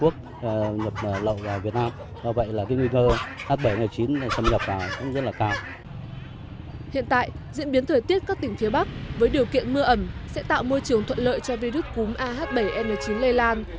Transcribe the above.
các tỉnh phía bắc với điều kiện mưa ẩm sẽ tạo môi trường thuận lợi cho virus cúm ah bảy n chín lây lan